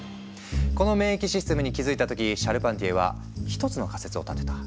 この免疫システムに気付いた時シャルパンティエは一つの仮説を立てた。